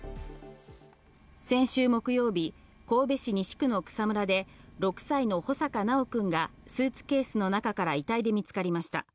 先週木曜日、神戸市西区の草むらで６歳の穂坂修くんがスーツケースの中から遺体で見つかりました。